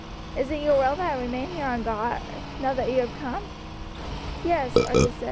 Is it your will that I remain here on guard, now that you have come?" "Yes," Archie answered.